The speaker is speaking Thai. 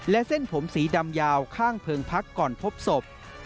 และเส้นผมสีดำยาวข้างเพิงพักก่อนพบศพ